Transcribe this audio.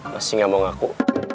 masih nggak mau ngaku